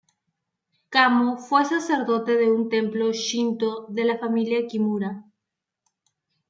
Kamo fue sacerdote de un templo Shinto de la familia Kimura.